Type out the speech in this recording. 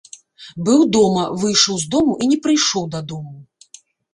Быў дома, выйшаў з дому і не прыйшоў дадому.